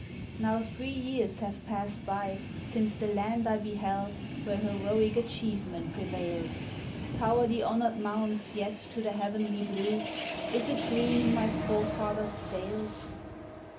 "Now three years have passed by since the land I beheld where heroic achievement prevails; Tower the honored mounts yet to the heavenly blue? is it green in my forefathers' dales?